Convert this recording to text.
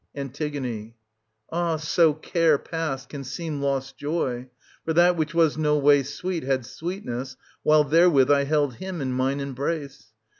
ant. I. An. Ah, so care past can seem lost joy ! For that which was no way sweet had sweetness, while therewith 1700 I held him in mine embrace.